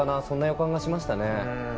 そんな予感がしましたね。